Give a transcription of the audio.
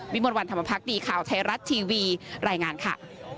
มวลวันธรรมพักดีข่าวไทยรัฐทีวีรายงานค่ะ